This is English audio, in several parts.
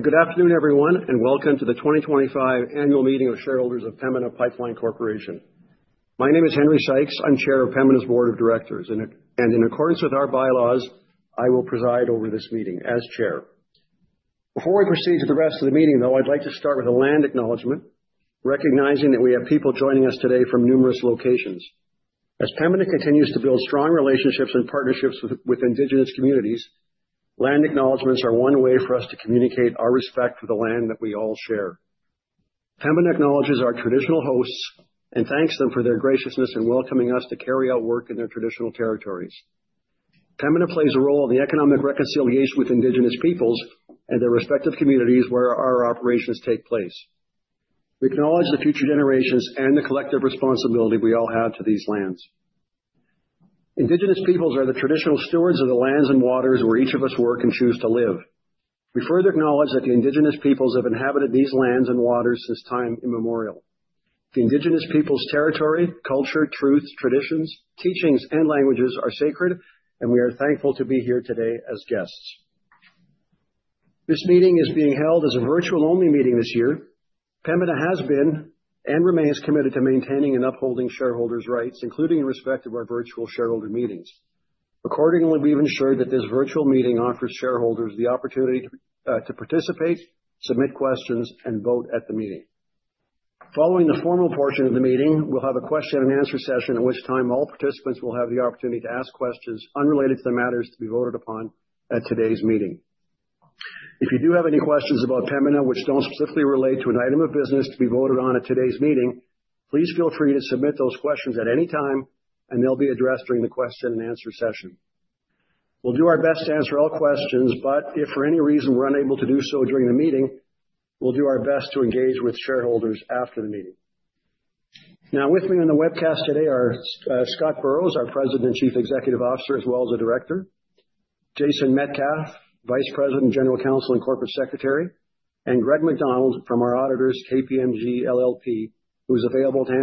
Good afternoon, everyone, and welcome to the 2025 Annual Meeting of Shareholders of Pembina Pipeline Corporation. My name is Henry Sykes. I'm Chair of Pembina's Board of Directors, and in accordance with our bylaws, I will preside over this meeting as Chair. Before we proceed to the rest of the meeting, though, I'd like to start with a land acknowledgment, recognizing that we have people joining us today from numerous locations. As Pembina continues to build strong relationships and partnerships with Indigenous communities, land acknowledgments are one way for us to communicate our respect for the land that we all share. Pembina acknowledges our traditional hosts and thanks them for their graciousness in welcoming us to carry out work in their traditional territories. Pembina plays a role in the economic reconciliation with Indigenous peoples and their respective communities where our operations take place. We acknowledge the future generations and the collective responsibility we all have to these lands. Indigenous peoples are the traditional stewards of the lands and waters where each of us work and choose to live. We further acknowledge that the Indigenous peoples have inhabited these lands and waters since time immemorial. The Indigenous peoples' territory, culture, truths, traditions, teachings, and languages are sacred, and we are thankful to be here today as guests. This meeting is being held as a virtual-only meeting this year. Pembina has been and remains committed to maintaining and upholding shareholders' rights, including in respect of our virtual shareholder meetings. Accordingly, we've ensured that this virtual meeting offers shareholders the opportunity to participate, submit questions, and vote at the meeting. Following the formal portion of the meeting, we'll have a question-and-answer session at which time all participants will have the opportunity to ask questions unrelated to the matters to be voted upon at today's meeting. If you do have any questions about Pembina, which don't specifically relate to an item of business to be voted on at today's meeting, please feel free to submit those questions at any time, and they'll be addressed during the question-and-answer session. We'll do our best to answer all questions, but if for any reason we're unable to do so during the meeting, we'll do our best to engage with shareholders after the meeting. Now, with me on the webcast today are Scott Burrows, our President and Chief Executive Officer, as well as a Director. Jason Metcalf, Vice President, General Counsel, and Corporate Secretary. And Greg McDonald from our auditors, KPMG LLP, who is available to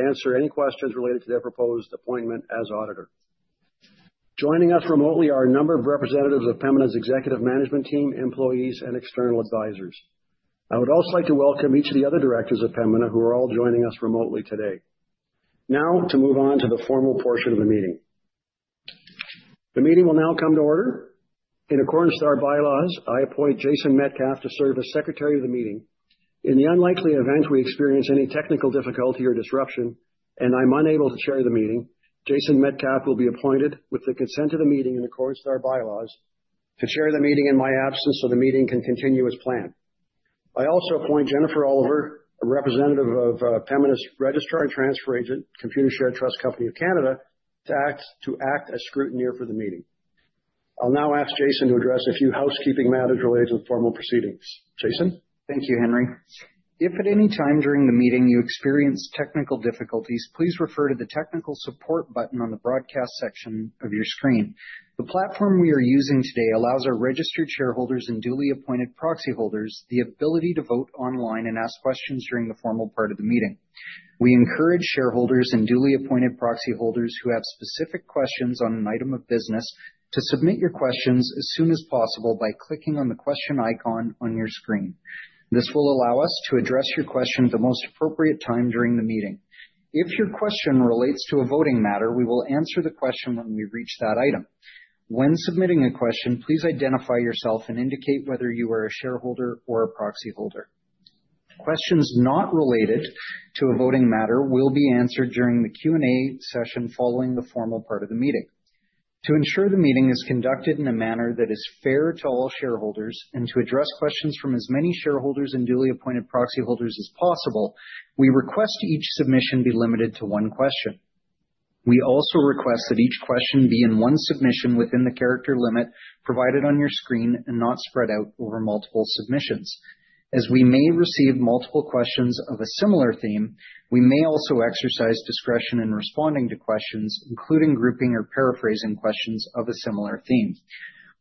answer any questions related to their proposed appointment as Auditor. Joining us remotely are a number of representatives of Pembina's executive management team, employees, and external advisors. I would also like to welcome each of the other directors of Pembina who are all joining us remotely today. Now, to move on to the formal portion of the meeting. The meeting will now come to order. In accordance with our bylaws, I appoint Jason Metcalf to serve as Secretary of the Meeting. In the unlikely event we experience any technical difficulty or disruption and I'm unable to chair the meeting, Jason Metcalf will be appointed, with the consent of the meeting and accordance with our bylaws, to chair the meeting in my absence so the meeting can continue as planned. I also appoint Jennifer Oliver, a representative of Pembina's Registrar and Transfer Agent, Computershare Trust Company of Canada, to act as scrutineer for the meeting. I'll now ask Jason to address a few housekeeping matters related to the formal proceedings. Jason? Thank you, Henry. If at any time during the meeting you experience technical difficulties, please refer to the technical support button on the broadcast section of your screen. The platform we are using today allows our registered shareholders and duly appointed proxy holders the ability to vote online and ask questions during the formal part of the meeting. We encourage shareholders and duly appointed proxy holders who have specific questions on an item of business to submit your questions as soon as possible by clicking on the question icon on your screen. This will allow us to address your question at the most appropriate time during the meeting. If your question relates to a voting matter, we will answer the question when we reach that item. When submitting a question, please identify yourself and indicate whether you are a shareholder or a proxy holder. Questions not related to a voting matter will be answered during the Q&A session following the formal part of the meeting. To ensure the meeting is conducted in a manner that is fair to all shareholders and to address questions from as many shareholders and duly appointed proxy holders as possible, we request each submission be limited to one question. We also request that each question be in one submission within the character limit provided on your screen and not spread out over multiple submissions. As we may receive multiple questions of a similar theme, we may also exercise discretion in responding to questions, including grouping or paraphrasing questions of a similar theme.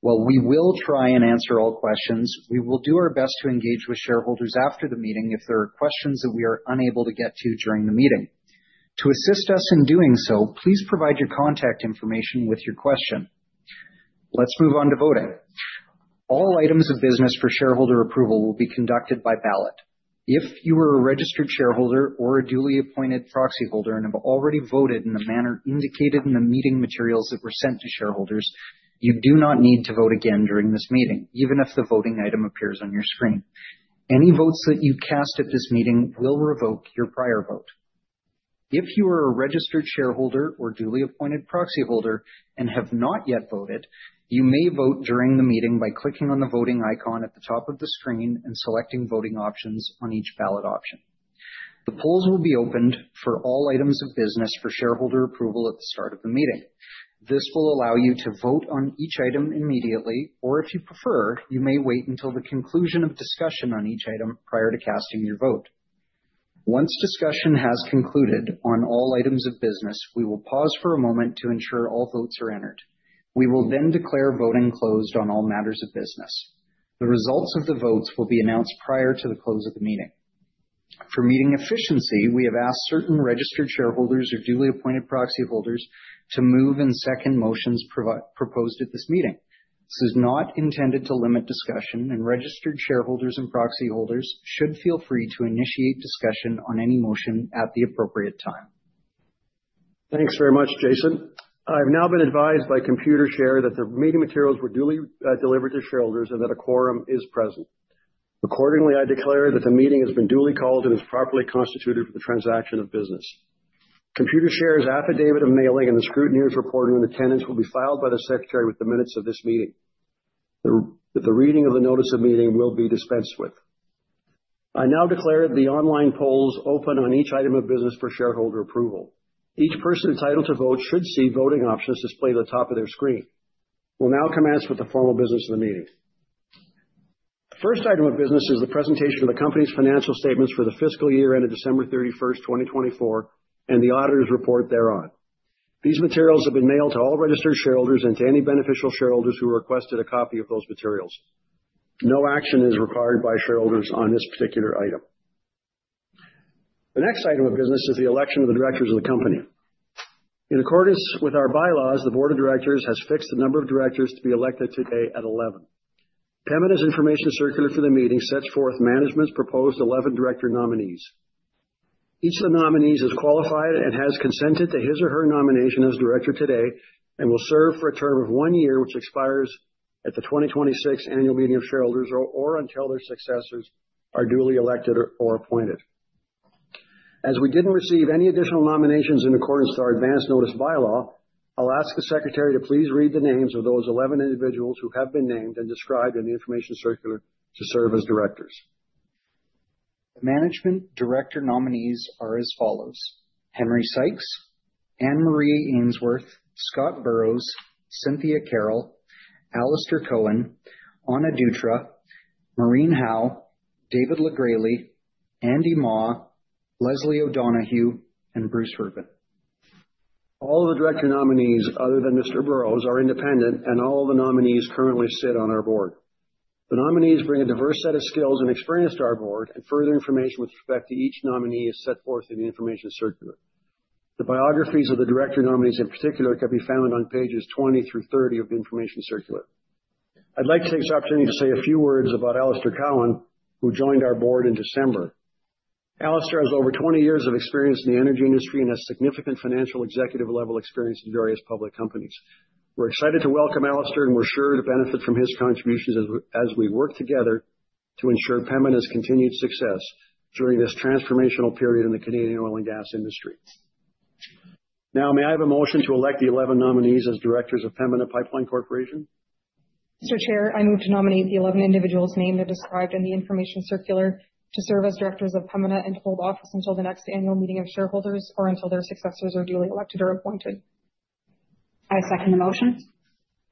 While we will try and answer all questions, we will do our best to engage with shareholders after the meeting if there are questions that we are unable to get to during the meeting. To assist us in doing so, please provide your contact information with your question. Let's move on to voting. All items of business for shareholder approval will be conducted by ballot. If you are a registered shareholder or a duly appointed proxy holder and have already voted in the manner indicated in the meeting materials that were sent to shareholders, you do not need to vote again during this meeting, even if the voting item appears on your screen. Any votes that you cast at this meeting will revoke your prior vote. If you are a registered shareholder or duly appointed proxy holder and have not yet voted, you may vote during the meeting by clicking on the voting icon at the top of the screen and selecting voting options on each ballot option. The polls will be opened for all items of business for shareholder approval at the start of the meeting. This will allow you to vote on each item immediately, or if you prefer, you may wait until the conclusion of discussion on each item prior to casting your vote. Once discussion has concluded on all items of business, we will pause for a moment to ensure all votes are entered. We will then declare voting closed on all matters of business. The results of the votes will be announced prior to the close of the meeting. For meeting efficiency, we have asked certain registered shareholders or duly appointed proxy holders to move and second motions proposed at this meeting. This is not intended to limit discussion, and registered shareholders and proxy holders should feel free to initiate discussion on any motion at the appropriate time. Thanks very much, Jason. I've now been advised by Computershare that the meeting materials were duly delivered to shareholders and that a quorum is present. Accordingly, I declare that the meeting has been duly called and is properly constituted for the transaction of business. Computershare's affidavit of mailing and the scrutineer's report on attendance will be filed by the Secretary with the minutes of this meeting. The reading of the notice of meeting will be dispensed with. I now declare the online polls open on each item of business for shareholder approval. Each person entitled to vote should see voting options displayed at the top of their screen. We'll now commence with the formal business of the meeting. The first item of business is the presentation of the company's financial statements for the fiscal year ended December 31st, 2024, and the auditor's report thereon. These materials have been mailed to all registered shareholders and to any beneficial shareholders who requested a copy of those materials. No action is required by shareholders on this particular item. The next item of business is the election of the directors of the company. In accordance with our bylaws, the Board of Directors has fixed the number of directors to be elected today at 11. Pembina's information circular for the meeting sets forth management's proposed 11 director nominees. Each of the nominees is qualified and has consented to his or her nomination as director today and will serve for a term of one year, which expires at the 2026 Annual Meeting of Shareholders or until their successors are duly elected or appointed. As we didn't receive any additional nominations in accordance with our Advance Notice Bylaw, I'll ask the Secretary to please read the names of those 11 individuals who have been named and described in the Information Circular to serve as directors. The management director nominees are as follows: Henry Sykes, Anne-Marie Ainsworth, Scott Burrows, Cynthia Carroll, Alister Cowan, Ana Dutra, Maureen Howe, David LeGresley, Andy Mah, Leslie O'Donoghue, and Bruce Rubin. All of the director nominees, other than Mr. Burrows, are independent, and all of the nominees currently sit on our board. The nominees bring a diverse set of skills and experience to our board, and further information with respect to each nominee is set forth in the information circular. The biographies of the director nominees in particular can be found on pages 20 through 30 of the information circular. I'd like to take this opportunity to say a few words about Alister Cowan, who joined our board in December. Alister has over 20 years of experience in the energy industry and has significant financial executive-level experience in various public companies. We're excited to welcome Alister, and we're sure to benefit from his contributions as we work together to ensure Pembina's continued success during this transformational period in the Canadian oil and gas industry. Now, may I have a motion to elect the 11 nominees as directors of Pembina Pipeline Corporation? Mr. Chair, I move to nominate the 11 individuals named and described in the Information Circular to serve as directors of Pembina and to hold office until the next annual meeting of shareholders or until their successors are duly elected or appointed. I second the motion.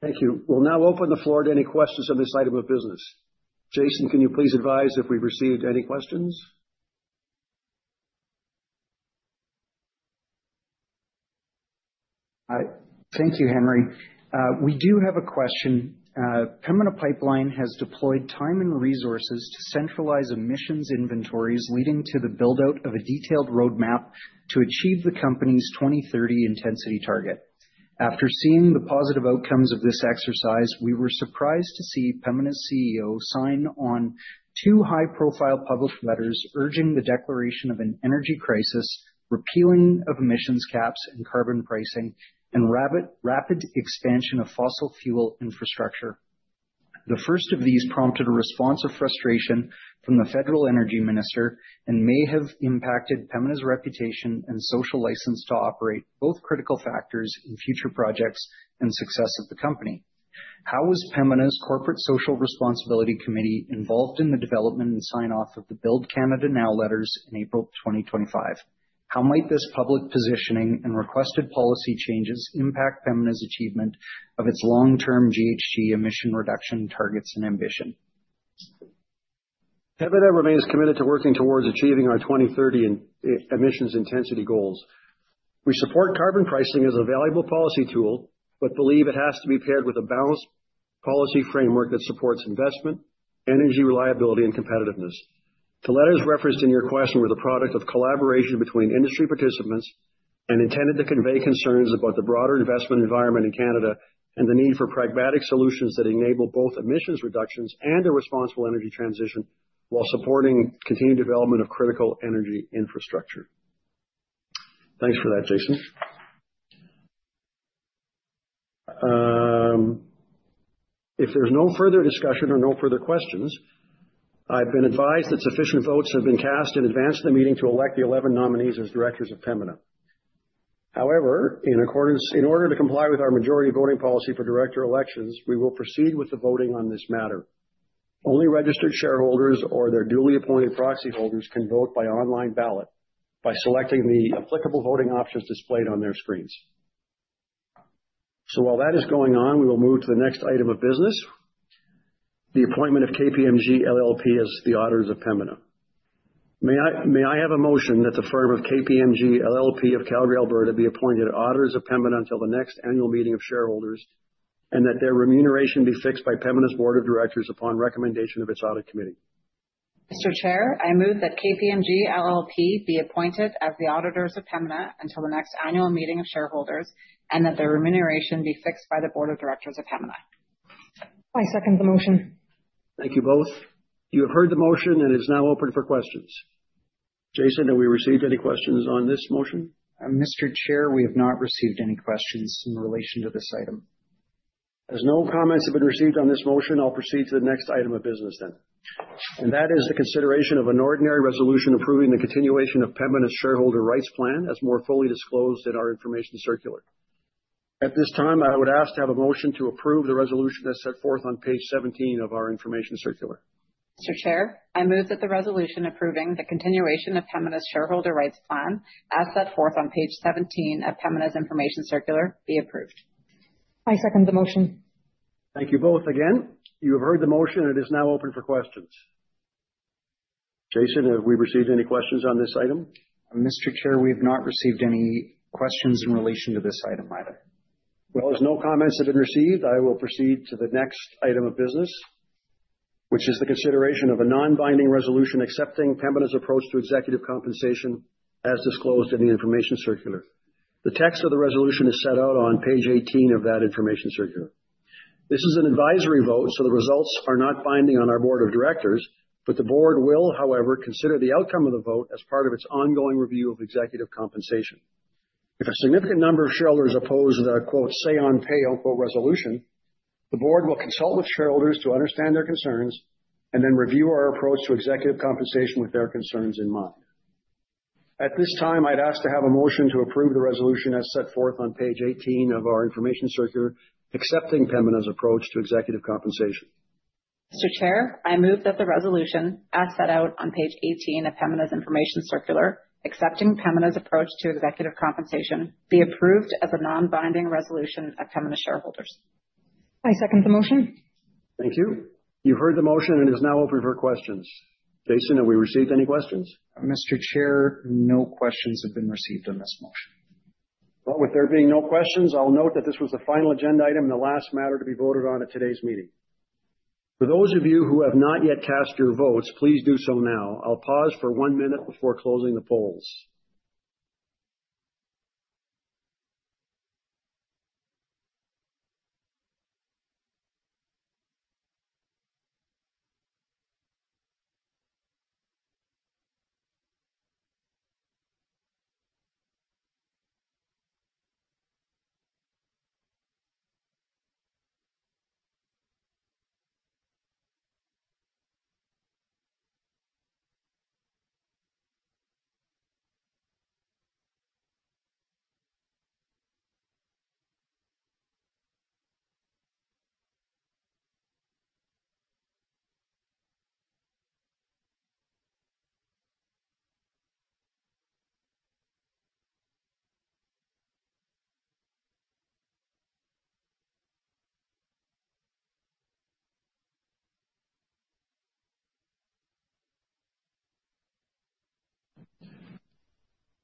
Thank you. We'll now open the floor to any questions on this item of business. Jason, can you please advise if we've received any questions? Thank you, Henry. We do have a question. Pembina Pipeline has deployed time and resources to centralize emissions inventories leading to the build-out of a detailed roadmap to achieve the company's 2030 intensity target. After seeing the positive outcomes of this exercise, we were surprised to see Pembina's CEO sign on two high-profile public letters urging the declaration of an energy crisis, repealing of emissions caps and carbon pricing, and rapid expansion of fossil fuel infrastructure. The first of these prompted a response of frustration from the Federal Energy Minister and may have impacted Pembina's reputation and social license to operate both critical factors in future projects and success of the company. How was Pembina's Corporate Social Responsibility Committee involved in the development and sign-off of the Build Canada Now letters in April 2025? How might this public positioning and requested policy changes impact Pembina's achievement of its long-term GHG emission reduction targets and ambition? Pembina remains committed to working towards achieving our 2030 emissions intensity goals. We support carbon pricing as a valuable policy tool, but believe it has to be paired with a balanced policy framework that supports investment, energy reliability, and competitiveness. The letters referenced in your question were the product of collaboration between industry participants and intended to convey concerns about the broader investment environment in Canada and the need for pragmatic solutions that enable both emissions reductions and a responsible energy transition while supporting continued development of critical energy infrastructure. Thanks for that, Jason. If there's no further discussion or no further questions, I've been advised that sufficient votes have been cast in advance of the meeting to elect the 11 nominees as directors of Pembina. However, in order to comply with our majority voting policy for director elections, we will proceed with the voting on this matter. Only registered shareholders or their duly appointed proxy holders can vote by online ballot by selecting the applicable voting options displayed on their screens. So while that is going on, we will move to the next item of business, the appointment of KPMG LLP as the auditors of Pembina. May I have a motion that the firm of KPMG LLP of Calgary, Alberta, be appointed auditors of Pembina until the next annual meeting of shareholders and that their remuneration be fixed by Pembina's Board of Directors upon recommendation of its audit committee? Mr. Chair, I move that KPMG LLP be appointed as the auditors of Pembina until the next annual meeting of shareholders and that their remuneration be fixed by the Board of Directors of Pembina. I second the motion. Thank you both. You have heard the motion, and it is now open for questions. Jason, have we received any questions on this motion? Mr. Chair, we have not received any questions in relation to this item. As no comments have been received on this motion, I'll proceed to the next item of business then, and that is the consideration of an ordinary resolution approving the continuation of Pembina's Shareholder Rights Plan as more fully disclosed in our Information Circular. At this time, I would ask to have a motion to approve the resolution as set forth on page 17 of our Information Circular. Mr. Chair, I move that the resolution approving the continuation of Pembina's shareholder rights plan as set forth on page 17 of Pembina's information circular be approved. I second the motion. Thank you both again. You have heard the motion, and it is now open for questions. Jason, have we received any questions on this item? Mr. Chair, we have not received any questions in relation to this item either. As no comments have been received, I will proceed to the next item of business, which is the consideration of a non-binding resolution accepting Pembina's approach to executive compensation as disclosed in the information circular. The text of the resolution is set out on page 18 of that information circular. This is an advisory vote, so the results are not binding on our board of directors, but the board will, however, consider the outcome of the vote as part of its ongoing review of executive compensation. If a significant number of shareholders oppose the "say-on-pay" resolution, the board will consult with shareholders to understand their concerns and then review our approach to executive compensation with their concerns in mind. At this time, I'd ask to have a motion to approve the resolution as set forth on page 18 of our information circular accepting Pembina's approach to executive compensation. Mr. Chair, I move that the resolution as set out on page 18 of Pembina's information circular accepting Pembina's approach to executive compensation be approved as a non-binding resolution of Pembina's shareholders. I second the motion. Thank you. You've heard the motion, and it is now open for questions. Jason, have we received any questions? Mr. Chair, no questions have been received on this motion. Well, with there being no questions, I'll note that this was the final agenda item and the last matter to be voted on at today's meeting. For those of you who have not yet cast your votes, please do so now. I'll pause for one minute before closing the polls.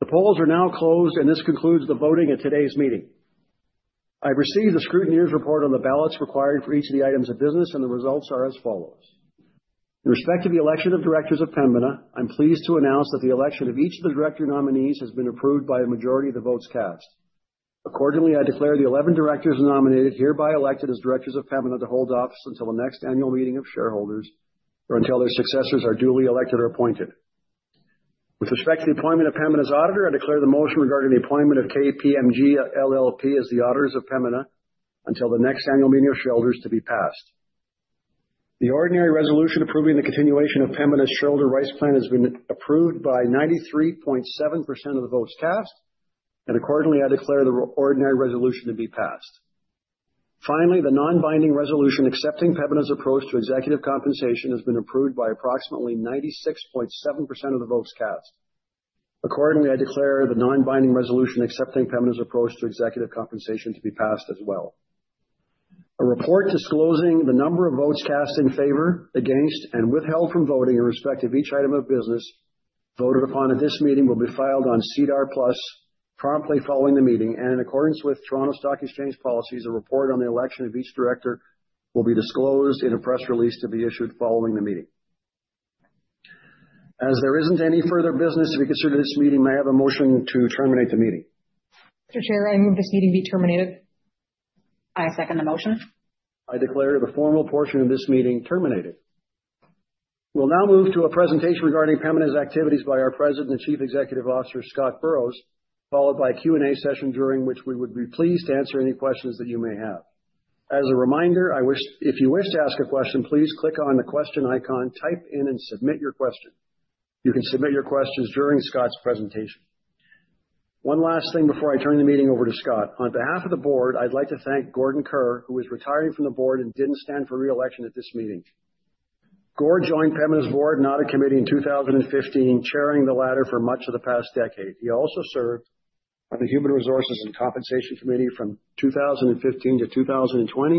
The polls are now closed, and this concludes the voting at today's meeting. I've received the scrutineer's report on the ballots required for each of the items of business, and the results are as follows. In respect of the election of directors of Pembina, I'm pleased to announce that the election of each of the director nominees has been approved by a majority of the votes cast. Accordingly, I declare the 11 directors nominated hereby elected as directors of Pembina to hold office until the next annual meeting of shareholders or until their successors are duly elected or appointed. With respect to the appointment of Pembina's auditor, I declare the motion regarding the appointment of KPMG LLP as the auditors of Pembina until the next annual meeting of shareholders to be passed. The ordinary resolution approving the continuation of Pembina's shareholder rights plan has been approved by 93.7% of the votes cast, and accordingly, I declare the ordinary resolution to be passed. Finally, the non-binding resolution accepting Pembina's approach to executive compensation has been approved by approximately 96.7% of the votes cast. Accordingly, I declare the non-binding resolution accepting Pembina's approach to executive compensation to be passed as well. A report disclosing the number of votes cast in favor, against, and withheld from voting in respect of each item of business voted upon at this meeting will be filed on SEDAR+ promptly following the meeting, and in accordance with Toronto Stock Exchange policies, a report on the election of each director will be disclosed in a press release to be issued following the meeting. As there isn't any further business to be considered at this meeting, may I have a motion to terminate the meeting? Mr. Chair, I move this meeting be terminated. I second the motion. I declare the formal portion of this meeting terminated. We'll now move to a presentation regarding Pembina's activities by our President and Chief Executive Officer, Scott Burrows, followed by a Q&A session during which we would be pleased to answer any questions that you may have. As a reminder, if you wish to ask a question, please click on the question icon, type in, and submit your question. You can submit your questions during Scott's presentation. One last thing before I turn the meeting over to Scott. On behalf of the board, I'd like to thank Gordon Kerr, who is retiring from the board and didn't stand for re-election at this meeting. Gord joined Pembina's board, not a committee, in 2015, chairing the latter for much of the past decade. He also served on the Human Resources and Compensation Committee from 2015 to 2020,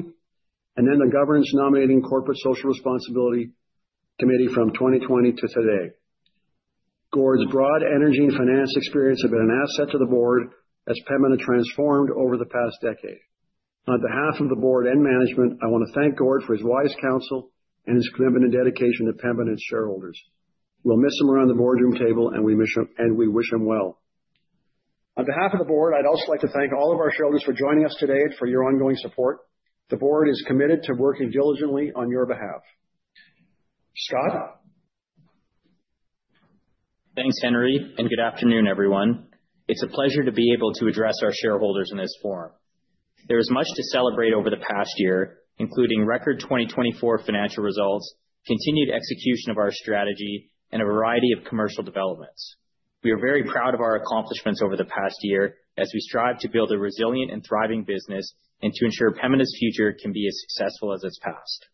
and then the Governance Nominating Corporate Social Responsibility Committee from 2020 to today. Gord's broad energy and finance experience have been an asset to the board as Pembina transformed over the past decade. On behalf of the board and management, I want to thank Gord for his wise counsel and his commitment and dedication to Pembina and its shareholders. We'll miss him around the boardroom table, and we wish him well. On behalf of the board, I'd also like to thank all of our shareholders for joining us today and for your ongoing support. The board is committed to working diligently on your behalf. Scott? Thanks, Henry, and good afternoon, everyone. It's a pleasure to be able to address our shareholders in this forum. There is much to celebrate over the past year, including record 2024 financial results, continued execution of our strategy, and a variety of commercial developments. We are very proud of our accomplishments over the past year as we strive to build a resilient and thriving business and to ensure Pembina's future can be as successful as its past.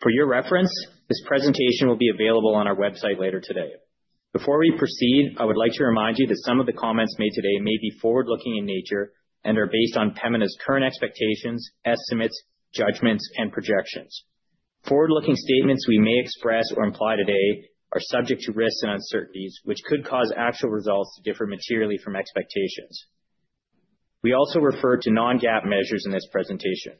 For your reference, this presentation will be available on our website later today. Before we proceed, I would like to remind you that some of the comments made today may be forward-looking in nature and are based on Pembina's current expectations, estimates, judgments, and projections. Forward-looking statements we may express or imply today are subject to risks and uncertainties, which could cause actual results to differ materially from expectations. We also refer to non-GAAP measures in this presentation.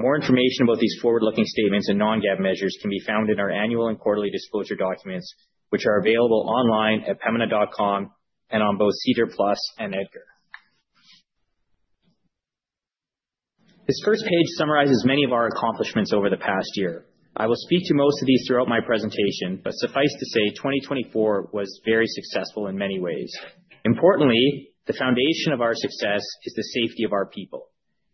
More information about these forward-looking statements and non-GAAP measures can be found in our annual and quarterly disclosure documents, which are available online at pembina.com and on both SEDAR+ and EDGAR. This first page summarizes many of our accomplishments over the past year. I will speak to most of these throughout my presentation, but suffice to say, 2024 was very successful in many ways. Importantly, the foundation of our success is the safety of our people.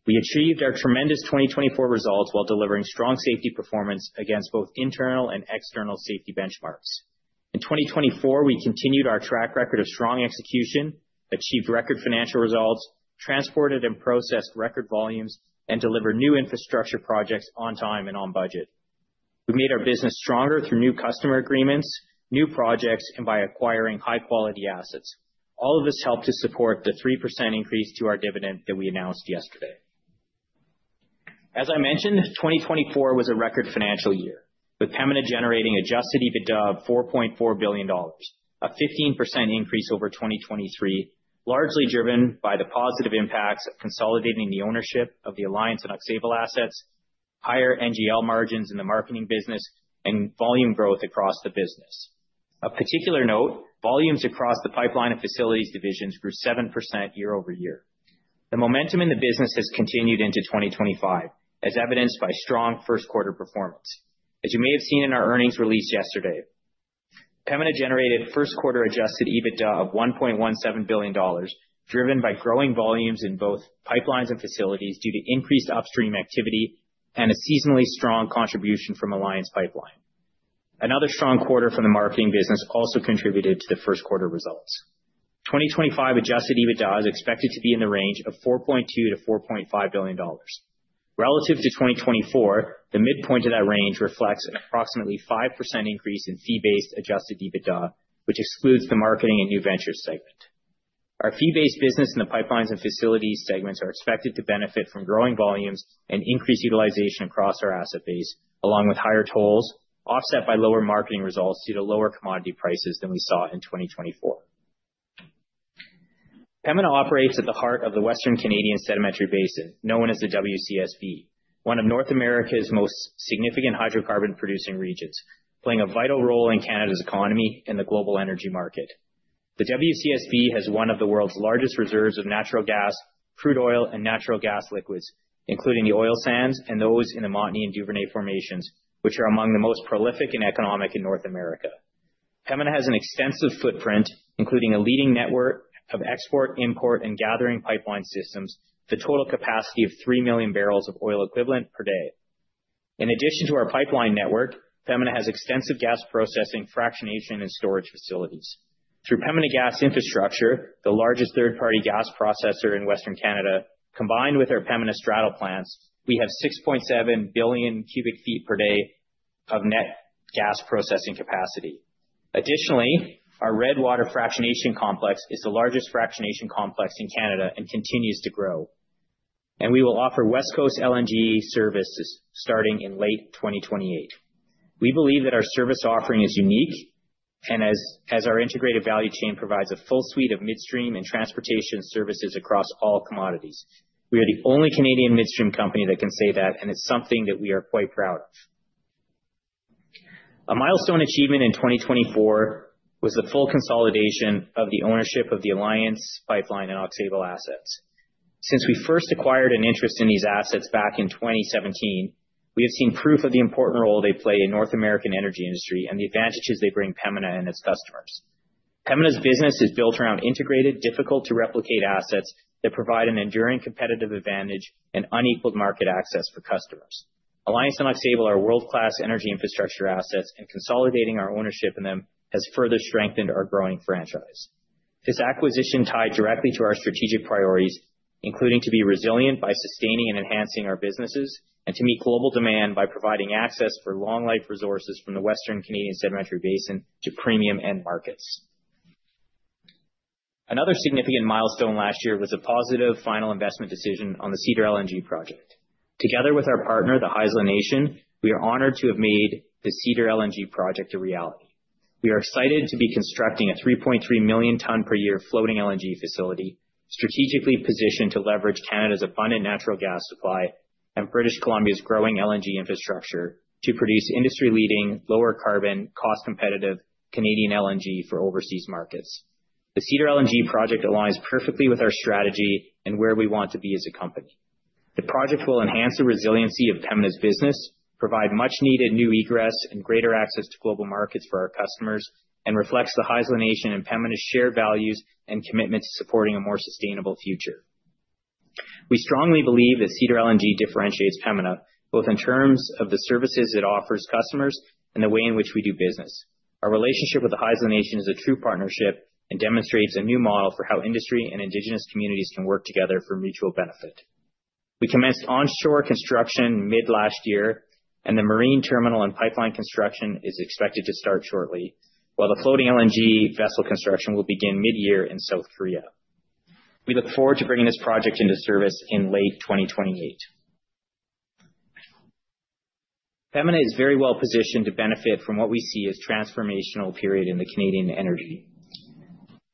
We achieved our tremendous 2024 results while delivering strong safety performance against both internal and external safety benchmarks. In 2024, we continued our track record of strong execution, achieved record financial results, transported and processed record volumes, and delivered new infrastructure projects on time and on budget. We made our business stronger through new customer agreements, new projects, and by acquiring high-quality assets. All of this helped to support the 3% increase to our dividend that we announced yesterday. As I mentioned, 2024 was a record financial year, with Pembina generating Adjusted EBITDA of $4.4 billion, a 15% increase over 2023, largely driven by the positive impacts of consolidating the ownership of the Alliance and Aux Sable assets, higher NGL margins in the marketing business, and volume growth across the business. In particular, volumes across the pipeline and facilities divisions grew 7% year over year. The momentum in the business has continued into 2025, as evidenced by strong first-quarter performance. As you may have seen in our earnings release yesterday, Pembina generated first-quarter Adjusted EBITDA of $1.17 billion, driven by growing volumes in both pipelines and facilities due to increased upstream activity and a seasonally strong contribution from Alliance Pipeline. Another strong quarter from the marketing business also contributed to the first-quarter results. 2025 Adjusted EBITDA is expected to be in the range of CAD 4.2-$4.5 billion. Relative to 2024, the midpoint of that range reflects an approximately 5% increase in fee-based Adjusted EBITDA, which excludes the marketing and new ventures segment. Our fee-based business and the pipelines and facilities segments are expected to benefit from growing volumes and increased utilization across our asset base, along with higher tolls offset by lower marketing results due to lower commodity prices than we saw in 2024. Pembina operates at the heart of the Western Canadian Sedimentary Basin, known as the WCSB, one of North America's most significant hydrocarbon-producing regions, playing a vital role in Canada's economy and the global energy market. The WCSB has one of the world's largest reserves of natural gas, crude oil, and natural gas liquids, including the oil sands and those in the Montney and Duvernay formations, which are among the most prolific and economic in North America. Pembina has an extensive footprint, including a leading network of export, import, and gathering pipeline systems, with a total capacity of 3 million barrels of oil equivalent per day. In addition to our pipeline network, Pembina has extensive gas processing, fractionation, and storage facilities. Through Pembina Gas Infrastructure, the largest third-party gas processor in Western Canada, combined with our Pembina straddle plants, we have 6.7 billion cubic feet per day of net gas processing capacity. Additionally, our Redwater Fractionation Complex is the largest fractionation complex in Canada and continues to grow, and we will offer West Coast LNG services starting in late 2028. We believe that our service offering is unique, and as our integrated value chain provides a full suite of midstream and transportation services across all commodities, we are the only Canadian midstream company that can say that, and it's something that we are quite proud of. A milestone achievement in 2024 was the full consolidation of the ownership of the Alliance Pipeline and Aux Sable assets. Since we first acquired an interest in these assets back in 2017, we have seen proof of the important role they play in North American energy industry and the advantages they bring Pembina and its customers. Pembina's business is built around integrated, difficult-to-replicate assets that provide an enduring competitive advantage and unequaled market access for customers. Alliance and Aux Sable are world-class energy infrastructure assets, and consolidating our ownership in them has further strengthened our growing franchise. This acquisition tied directly to our strategic priorities, including to be resilient by sustaining and enhancing our businesses and to meet global demand by providing access for long-life resources from the Western Canadian Sedimentary Basin to premium end markets. Another significant milestone last year was a positive final investment decision on the Cedar LNG project. Together with our partner, the Haisla Nation, we are honored to have made the Cedar LNG project a reality. We are excited to be constructing a 3.3 million ton per year floating LNG facility, strategically positioned to leverage Canada's abundant natural gas supply and British Columbia's growing LNG infrastructure to produce industry-leading, lower-carbon, cost-competitive Canadian LNG for overseas markets. The Cedar LNG project aligns perfectly with our strategy and where we want to be as a company. The project will enhance the resiliency of Pembina's business, provide much-needed new egress and greater access to global markets for our customers, and reflects the Haisla Nation and Pembina's shared values and commitment to supporting a more sustainable future. We strongly believe that Cedar LNG differentiates Pembina, both in terms of the services it offers customers and the way in which we do business. Our relationship with the Haisla Nation is a true partnership and demonstrates a new model for how industry and indigenous communities can work together for mutual benefit. We commenced onshore construction mid-last year, and the marine terminal and pipeline construction is expected to start shortly, while the floating LNG vessel construction will begin mid-year in South Korea. We look forward to bringing this project into service in late 2028. Pembina is very well positioned to benefit from what we see as a transformational period in Canadian energy.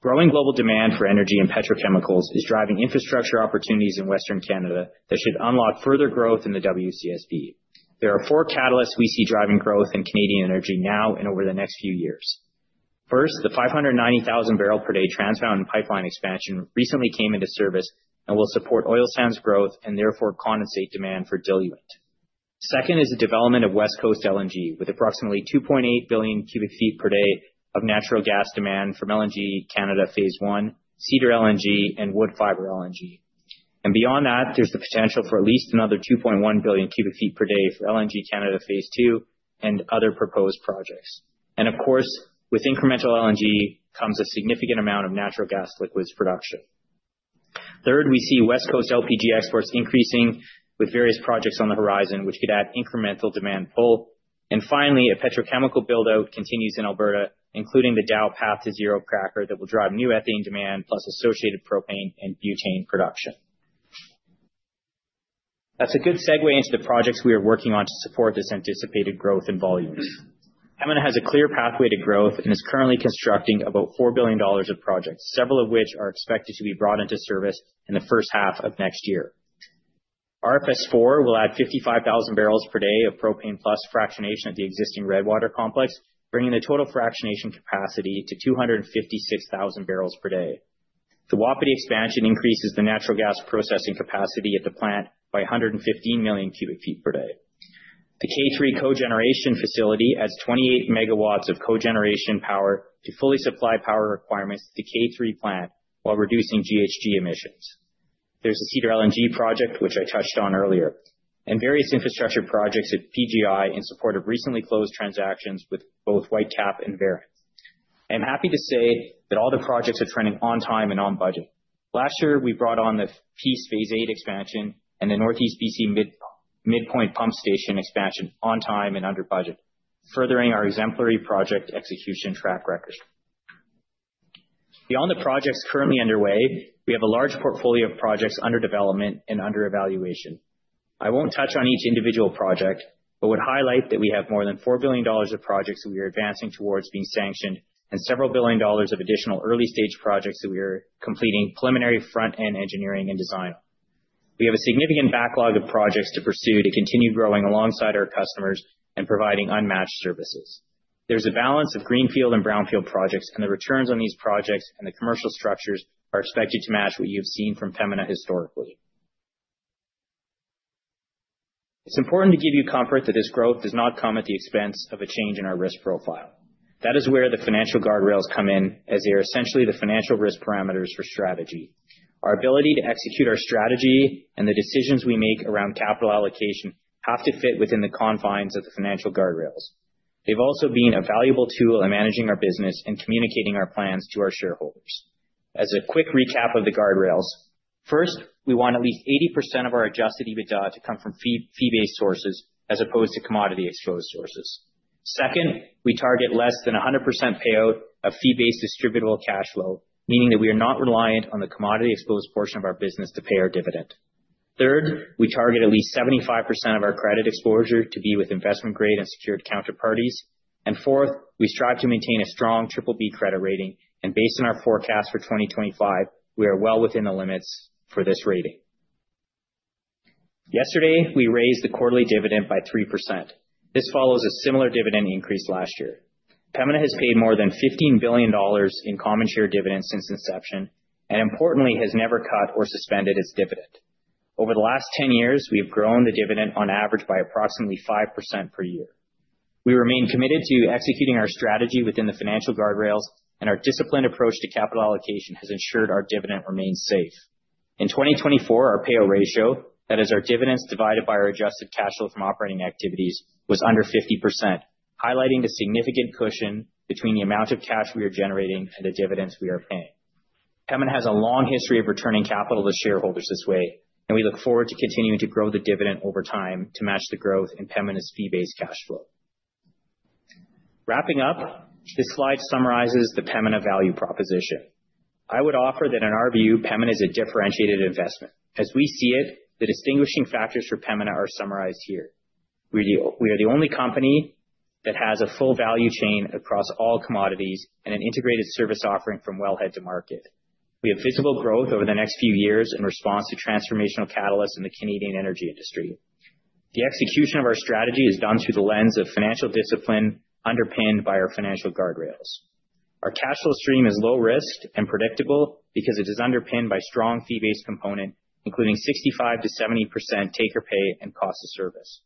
Growing global demand for energy and petrochemicals is driving infrastructure opportunities in Western Canada that should unlock further growth in the WCSB. There are four catalysts we see driving growth in Canadian energy now and over the next few years. First, the 590,000 barrels per day Trans Mountain Pipeline expansion recently came into service and will support oil sands growth and therefore condensate demand for diluent. Second is the development of West Coast LNG, with approximately 2.8 billion cubic feet per day of natural gas demand from LNG Canada Phase 1, Cedar LNG, and Woodfibre LNG, and beyond that, there's the potential for at least another 2.1 billion cubic feet per day for LNG Canada Phase 2 and other proposed projects. And of course, with incremental LNG comes a significant amount of natural gas liquids production. Third, we see West Coast LPG exports increasing with various projects on the horizon, which could add incremental demand pull. And finally, a petrochemical buildout continues in Alberta, including the Dow Path2Zero cracker that will drive new ethane demand, plus associated propane and butane production. That's a good segue into the projects we are working on to support this anticipated growth in volumes. Pembina has a clear pathway to growth and is currently constructing about 4 billion dollars of projects, several of which are expected to be brought into service in the first half of next year. RFS 4 will add 55,000 barrels per day of propane plus fractionation at the existing Redwater complex, bringing the total fractionation capacity to 256,000 barrels per day. The Wapiti expansion increases the natural gas processing capacity at the plant by 115 million cubic feet per day. The K3 cogeneration facility adds 28 megawatts of cogeneration power to fully supply power requirements at the K3 plant while reducing GHG emissions. There's a Cedar LNG project, which I touched on earlier, and various infrastructure projects at PGI in support of recently closed transactions with both Whitecap and Veren. I'm happy to say that all the projects are trending on time and on budget. Last year, we brought on the Peace Phase 8 expansion and the Northeast B.C. Midpoint Pump Station expansion on time and under budget, furthering our exemplary project execution track record. Beyond the projects currently underway, we have a large portfolio of projects under development and under evaluation. I won't touch on each individual project, but would highlight that we have more than $4 billion of projects that we are advancing towards being sanctioned and several billion dollars of additional early-stage projects that we are completing preliminary front-end engineering and design on. We have a significant backlog of projects to pursue to continue growing alongside our customers and providing unmatched services. There's a balance of greenfield and brownfield projects, and the returns on these projects and the commercial structures are expected to match what you've seen from Pembina historically. It's important to give you comfort that this growth does not come at the expense of a change in our risk profile. That is where the financial guardrails come in, as they are essentially the financial risk parameters for strategy. Our ability to execute our strategy and the decisions we make around capital allocation have to fit within the confines of the financial guardrails. They've also been a valuable tool in managing our business and communicating our plans to our shareholders. As a quick recap of the guardrails, first, we want at least 80% of our Adjusted EBITDA to come from fee-based sources as opposed to commodity exposed sources. Second, we target less than 100% payout of fee-based distributable cash flow, meaning that we are not reliant on the commodity exposed portion of our business to pay our dividend. Third, we target at least 75% of our credit exposure to be with investment-grade and secured counterparties. And fourth, we strive to maintain a strong BBB credit rating, and based on our forecast for 2025, we are well within the limits for this rating. Yesterday, we raised the quarterly dividend by 3%. This follows a similar dividend increase last year. Pembina has paid more than 15 billion dollars in common share dividends since inception and, importantly, has never cut or suspended its dividend. Over the last 10 years, we have grown the dividend on average by approximately 5% per year. We remain committed to executing our strategy within the financial guardrails, and our disciplined approach to capital allocation has ensured our dividend remains safe. In 2024, our payout ratio, that is, our dividends divided by our adjusted cash flow from operating activities, was under 50%, highlighting the significant cushion between the amount of cash we are generating and the dividends we are paying. Pembina has a long history of returning capital to shareholders this way, and we look forward to continuing to grow the dividend over time to match the growth in Pembina's fee-based cash flow. Wrapping up, this slide summarizes the Pembina value proposition. I would offer that in our view, Pembina is a differentiated investment. As we see it, the distinguishing factors for Pembina are summarized here. We are the only company that has a full value chain across all commodities and an integrated service offering from wellhead to market. We have visible growth over the next few years in response to transformational catalysts in the Canadian energy industry. The execution of our strategy is done through the lens of financial discipline underpinned by our financial guardrails. Our cash flow stream is low-risk and predictable because it is underpinned by a strong fee-based component, including 65%-70% take-or-pay and cost-of-service.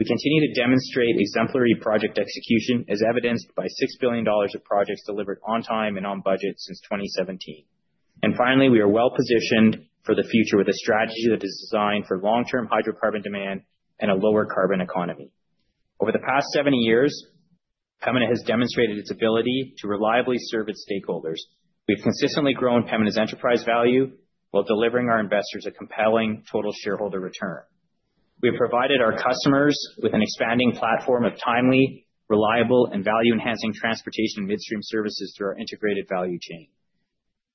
We continue to demonstrate exemplary project execution, as evidenced by 6 billion dollars of projects delivered on time and on budget since 2017, and finally, we are well positioned for the future with a strategy that is designed for long-term hydrocarbon demand and a lower carbon economy. Over the past 70 years, Pembina has demonstrated its ability to reliably serve its stakeholders. We have consistently grown Pembina's enterprise value while delivering our investors a compelling total shareholder return. We have provided our customers with an expanding platform of timely, reliable, and value-enhancing transportation midstream services through our integrated value chain.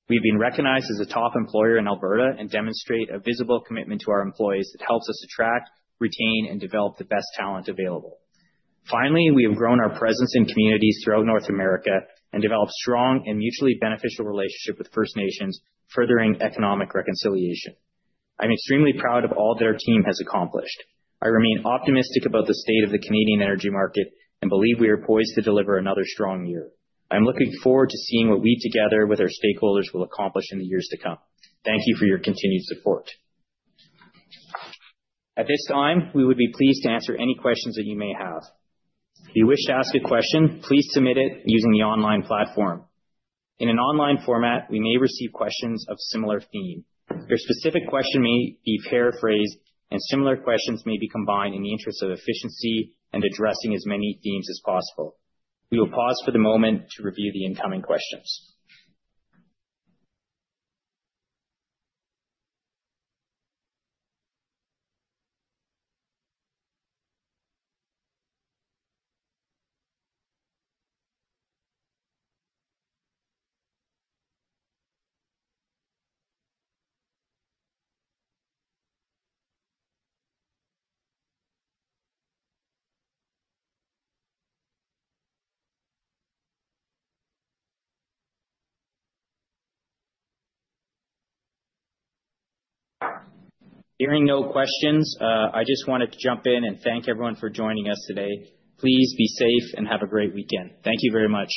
We've been recognized as a top employer in Alberta and demonstrate a visible commitment to our employees that helps us attract, retain, and develop the best talent available. Finally, we have grown our presence in communities throughout North America and developed a strong and mutually beneficial relationship with First Nations, furthering economic reconciliation. I'm extremely proud of all that our team has accomplished. I remain optimistic about the state of the Canadian energy market and believe we are poised to deliver another strong year. I'm looking forward to seeing what we together with our stakeholders will accomplish in the years to come. Thank you for your continued support. At this time, we would be pleased to answer any questions that you may have. If you wish to ask a question, please submit it using the online platform. In an online format, we may receive questions of similar theme. Your specific question may be paraphrased, and similar questions may be combined in the interest of efficiency and addressing as many themes as possible. We will pause for the moment to review the incoming questions. Hearing no questions, I just wanted to jump in and thank everyone for joining us today. Please be safe and have a great weekend. Thank you very much.